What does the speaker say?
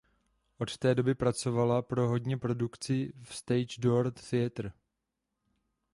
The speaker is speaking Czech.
Od té doby pracovala pro hodně produkci v Stage Door Theater.